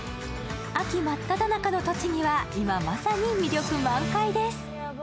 秋真っただ中の栃木は今まさに魅力満開です。